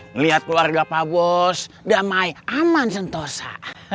melihat keluarga pak bos damai aman sentosa